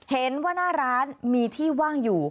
เห็นว่าหน้าร้านมีที่ว่างอยู่